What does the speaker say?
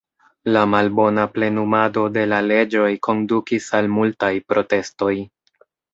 La malbona plenumado de la leĝoj kondukis al multaj protestoj.